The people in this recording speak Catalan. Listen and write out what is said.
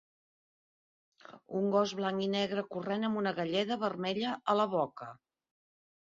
Un gos blanc i negre corrent amb una galleda vermella a la boca.